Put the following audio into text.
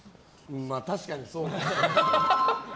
確かにそうですね。